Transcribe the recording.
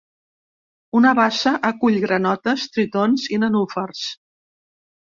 Una bassa acull granotes, tritons i nenúfars.